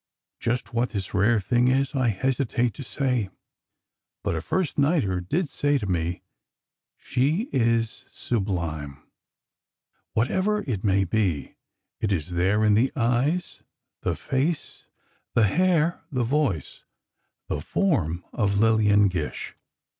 Just what this rare thing is I hesitate to say. But a first nighter did say to me, "She is sublime." Whatever it may be, it is there in the eyes, the face, the hair, the voice, the form of Lillian Gish.